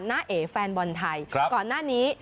เอ๋แฟนบอลไทยก่อนหน้านี้